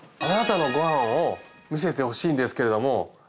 あなたのご飯を見せてほしいんですけれども。